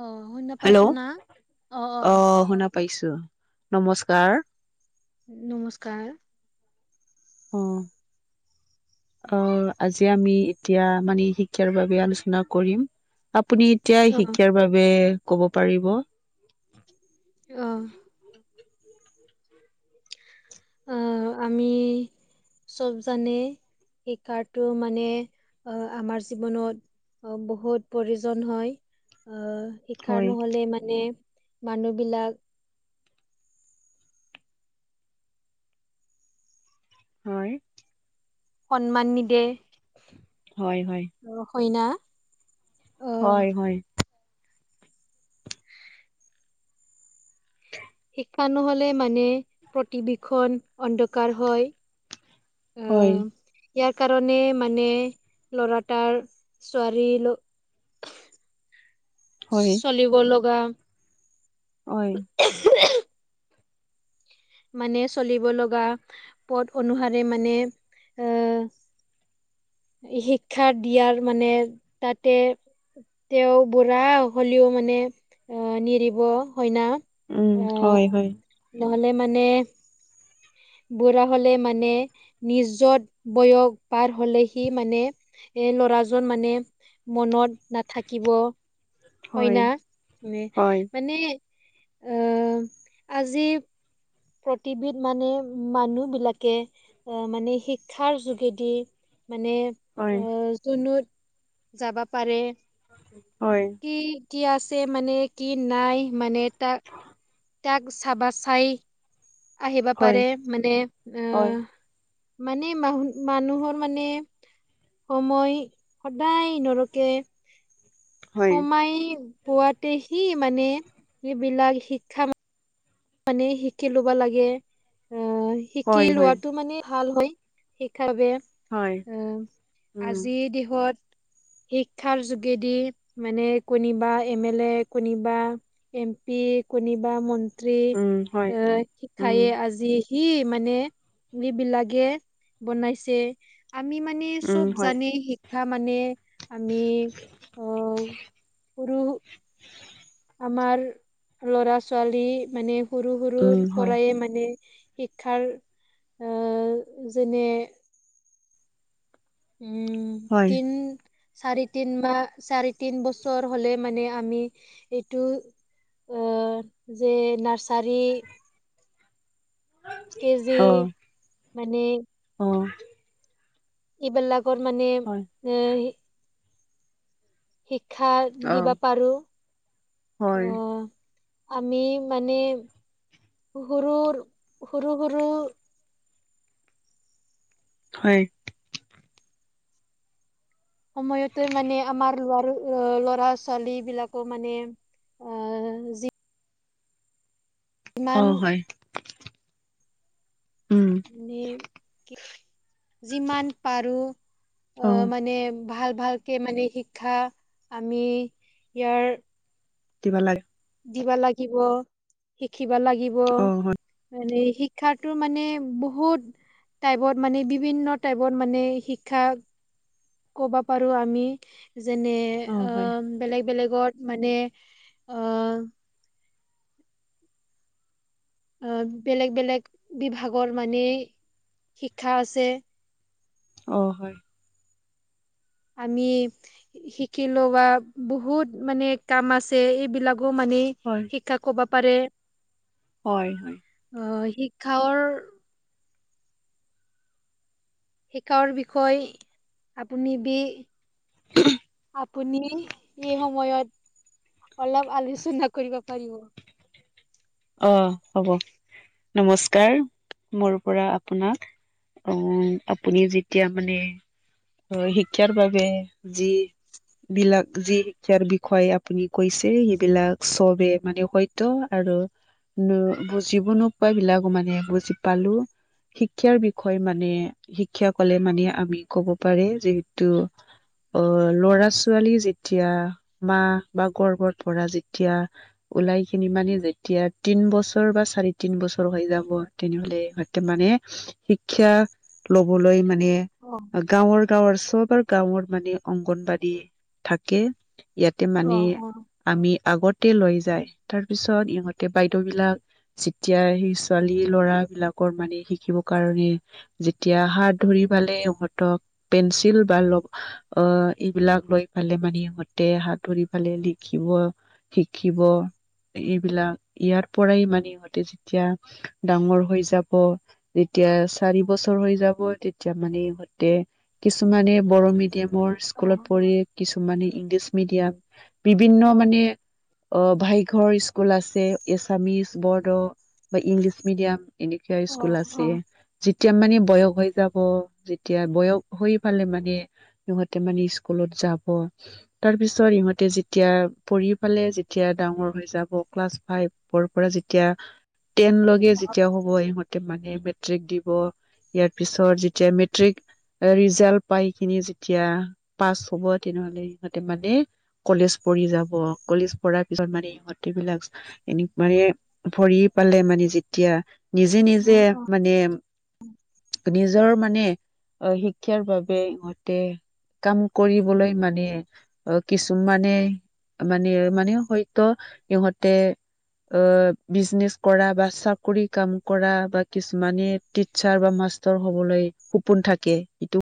অ', শুনা পাইছো না, অ', অ'। পাইছোঁ, নমস্কাৰ। নমস্কাৰ। অ [inaudible] অ', আজি আমি এতিয়া মানে শিক্ষাৰ বাবে আলোচনা কৰিম। আপুনি এতিয়া অ শিক্ষাৰ বাবে ক'ব পাৰিব। অ'। অ', আমি চব জানে। শিক্ষাৰটো মানে অ আমাৰ জীৱনত অ', বহুত প্ৰয়োজন হয়, অ শি শিক্ষাৰ হয় নহ'লে মানে মানুহবিলাক হয়। সন্মান নিদিয়ে। হয়- হয়। আৰু হয় না। আহ হয়- হয়। [inaudible] শিক্ষা নহ'লে মানে প্ৰতিভিখন অন্ধকাৰ হয়। হয়। আহ ইয়াৰ কাৰণে মানে ল'ৰাটাৰ ছোৱালীৰ ল হয় চলিব লগা হয়। [unintelligible] মানে চলিব লগা পদ অনুসাৰে মানে, এ শিক্ষা দিয়াৰ মানে তাতে তেওঁ বুঢ়া হ'লেও মানে অ আনি দিব, হয়না। উম, হয়- হয়। নহ'লে মানে বুঢ়া হ'লে মানে নিজৰ বয়স পাৰ হ'লে সি মানে এ ল'ৰাজন মানে মনত নাথাকিব। হয় হয় না? হয় মানে-মানে অ', আজি প্ৰতিবিধ মানে মানুহ বিলাকে অ, মানে শিক্ষাৰ যোগেদি মানে হয়। তোনোত যাব পাৰে। হয়। কি-কি আছে মানে কি নাই মানে তাক তাক চাবা চাই আহিব হয় পাৰে, মানে অ হয় মানে মা মানুহৰ মানে সময় সদায় নৰকে হয় মমাইয়ে পোৱাতেহি মানে এইবিলাক শিক্ষা মানে শিকি ল'ব লাগে। অ, শিকি হয় হয় লোৱাটো মানে ভাল হয়। শিক্ষাৰ বাবে হয় অ, উম আজিৰ দেহত শিক্ষাৰ যোগেদি মানে কোনিবা এম এল এ কোনিবা এম পি কোনিবা মন্ত্ৰী উম হয় অ, উম শিক্ষায়ে আজি সি মানে সি বিলাকে বনাইছে। আমি মানে উম চব হয় জানে শি কথা মানে আমি অ, সৰু [inaudible] আমাৰ ল'ৰা ছোৱালী মানে উম সৰু-সৰুৰ হয় পৰাই মানে শিক্ষাৰ অ, যেনে উম, হয় কিন চাৰি তিন মাহ চাৰি তিন বছৰ হ'লে মানে আমি এইটো অ, যে নাৰছাৰী কেজি অ মানে অ'। এইবিলাকত মানে হয় এ শিক্ষা অ দিব পাৰোঁ, হয় অ'। আমি মানে সৰু-সৰু-সৰু হয়। সময়তে মানে আমাৰ লাৰু ল'ৰা ছোৱালী বিলাকো মানে অ, যি অ', হয়। উম মানে [unintelligible] যিমান পাৰোঁ অ, মানে ভাল ভালকে মানে শিক্ষা আমি ইয়াৰ দিব লাগে। দিবা লাগিব, শিকিবা লাগিব। অ হয় মানে শিক্ষাটো মানে বহুত টাইপত মানে বিভিন্ন টাইপত মানে শিক্ষা ক'বা পাৰোঁ আমি যেনে অ হয় বেলেগ-বেলেগৰ মানে অ অ, বেলেগ-বেলেগ বিভাগৰ মানে শিক্ষা আছে। অ', হয়। আমি শিকিলো বা বহুত মানে কাম আছে এইবিলাকো মানে হয়। শিক্ষা কব পাৰে। হয়-হয়। অ', শিক্ষাঅৰ শিক্ষায়ৰ বিষয় আপুনি বি আপুনি এই সময়ত অলপ আলোচনা কৰিব পাৰিব? অ', হ'ব নমস্কাৰ মোৰ পৰা আপোনাক। অ, আপুনি যেতিয়া মানে শিক্ষাৰ বাবে যি বিলাক যি শিক্ষাৰ বিষয়ে আপুনি কৈছে সেইবিলাক চবে মানে হত্যা আৰু ন বুজিব নোপোৱা বিলাকো মানে বুজি পালোঁ। শিক্ষাৰ বিষয়ে মানে শিক্ষা কলে মানে আমি কব পাৰে যিহেতু অ, ল'ৰা ছোৱালী যেতিয়া মা বা গৰ্ভৰ পৰা যেতিয়া ওলাই খিনি মানে যে এতিয়া তিন বছৰ বা চাৰি তিন বছৰ হৈ যাব তেনেহলে [unintelligible] মানে শিক্ষা লবলৈ মানে অ গাঁৱৰ-গাঁৱৰ চবৰ আৰু গাঁৱৰ মানে অংগনবাদী থাকে। ইয়াতে মানে অ আমি আগতে লৈ যায় তাৰ পিছত সিহঁত এতিয়া বাইদেউ বিলাক যেতিয়া সেই ছোৱালী ল'ৰা বিলাকৰ মানে শিকিব কাৰণে যেতিয়া হাত ধৰি পালে ইহঁতক পেঞ্চিল বা অ, এইবিলাক লৈ পালে মানে সিহঁতে হাত ধৰি ফালে লিখিব শিকিব এইবিলাক ইয়াৰ পৰাই মানে ইহঁতে যেতিয়া ডাঙৰ হৈ যাব। যেতিয়া চাৰি বছৰ হৈ যাব তেতিয়া মানে ইহঁতে কিছুমানে বড় মিডিয়ামৰ অ অ স্কুলত পঢ়ি কিছুমানে ইংলিছ মিডিয়াম বিভিন্ন অ মানে অভাইঘৰ স্কুল আছে এছামিচ, বদ বা ইংলিছ মিডিয়াম এনেকা অ স্কুল অ আছে। যেতিয়া মানে বৈয়ক হৈ যাব যেতিয়া বয়স হৈ পালে মানে সিহঁতে মানে স্কুলত যাব। তাৰ পিছত ইহঁতে যেতিয়া পঢ়ি পালে যেতিয়া ডাঙৰ হৈ যাব ক্লাছ ফাইভৰ পৰা যেতিয়া টেন লগে যেতিয়াও হ'ব ইহত মানে মেট্ৰিক দিব, ইয়াৰ পিছত যেতিয়া মেট্ৰিক ৰিজাল্ট পাই কিনি যেতিয়া পাছ হ'ব তেনেহলে সিহঁতে মানে কলেজ পঢ়ি যাব কলেজ পঢ়াৰ পিছত মানে ইহঁতে বিলাক এনেক মানে ভৰি পালে মানে যেতিয়া নিজে-নিজে অ অ মানে নিজৰ মানে অ, শিক্ষাৰ বাবে ইহঁতেহ কাম কৰিবলৈ মানে অ, কিছুমানে মানে-মানে হয়তো সিহঁতে অ, বিজনেচ কৰা বা চাকৰি কাম কৰা বা কিছুমানে টিচাৰ বা মাষ্টৰ হ'বলৈ সপোন থাকে, ইটো